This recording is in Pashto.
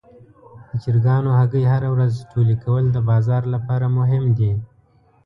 د چرګانو هګۍ هره ورځ ټولې کول د بازار لپاره مهم دي.